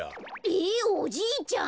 ええっおじいちゃん！